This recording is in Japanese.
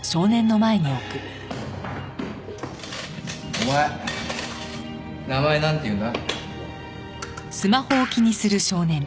お前名前なんて言うんだ？